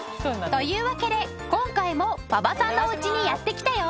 というわけで今回も馬場さんのおうちにやって来たよ。